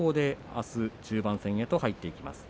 あす中盤戦へと入っていきます。